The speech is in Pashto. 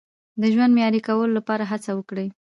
د ژوند معیاري کولو لپاره هڅه وکړئ.